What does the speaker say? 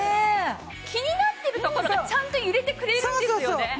気になってるところがちゃんと揺れてくれるんですよね。